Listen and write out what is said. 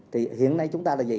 thì hiện nay chúng ta là gì